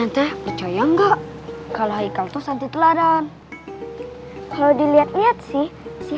kalian teh percaya nggak kalau ikal tuh santit ladang kalau dilihat lihat sih si